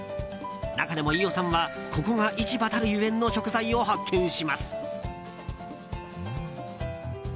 中でも飯尾さんはここが市場たるゆえんの食材を発見します。